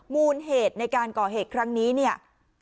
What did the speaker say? มูลเหตุในการก่อเหตุครั้งนี้เนี่ย